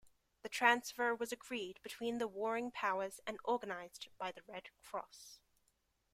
The transfer was agreed between the warring powers and organised by the Red Cross.